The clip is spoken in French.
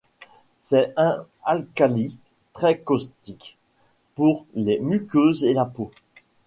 C'est un alcali très caustique, pour les muqueuses et la peau.